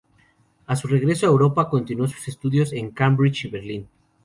A su regreso a Europa, continuó sus estudios en Cambridge y Berlín.